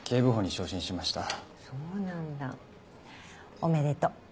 おめでとう。